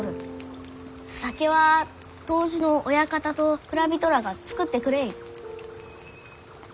酒は杜氏の親方と蔵人らあが造ってくれゆう。